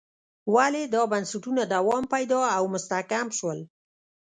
ولې دا بنسټونه دوام پیدا او مستحکم شول.